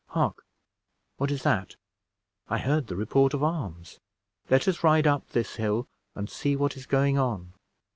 Hark! what is that? I heard the report of arms. Let us ride up this hill and see what is going on."